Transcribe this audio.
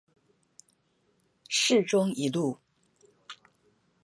市中一路